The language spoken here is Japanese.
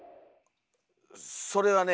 それはね。